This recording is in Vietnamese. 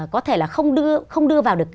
có thể là không đưa vào được